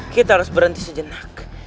kita harus berhenti sejenak